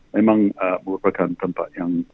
memang merupakan tempat yang